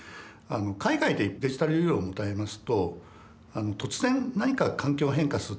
海外でデジタルユーロを持たれますと突然何か環境が変化するとですね